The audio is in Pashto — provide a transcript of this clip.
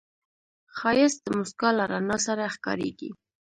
ښایست د موسکا له رڼا سره ښکاریږي